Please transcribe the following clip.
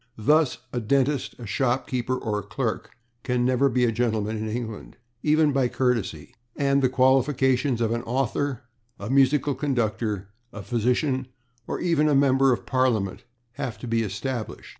Thus a dentist, a shop keeper or a clerk can never be a gentleman in England, even by courtesy, and the qualifications of an author, a musical conductor, a physician, or even a member of Parliament have to be established.